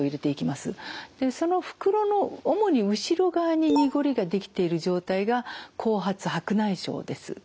でその袋の主に後ろ側に濁りが出来てる状態が後発白内障です。